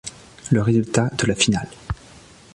Le résultat de la finale.